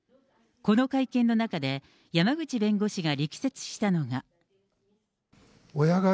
この会見の中で、山口弁護士が力説したのが。